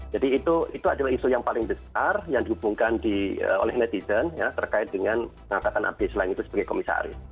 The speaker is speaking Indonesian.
jadi itu adalah isu yang paling besar yang dihubungkan oleh netizen ya terkait dengan pengangkatan abdi sleng itu sebagai komisaris